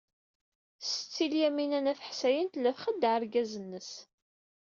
Setti Lyamina n At Ḥsayen tella txeddeɛ argaz-nnes.